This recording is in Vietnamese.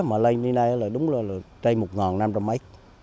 mà lên đến nay là đúng là một năm trăm linh mấy